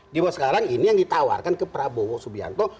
cuma sekarang ini yang ditawarkan ke prabowo subianto